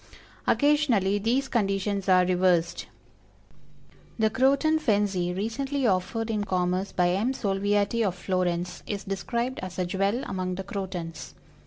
Occasionally these conditions are reversed. The Croton Fenzii, recently offered in commerce by M. SOLVIATI, of Florence, is described as a jewel among the Crotons.